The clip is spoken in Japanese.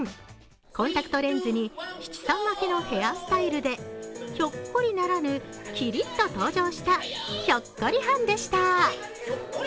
コンタクトレンズに七三分けのヘアスタイルでひょっこりならぬ、きりっと登場したひょっこりはんでした。